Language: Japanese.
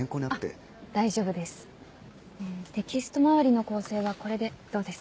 あ大丈夫です。テキスト周りの構成はこれでどうですか？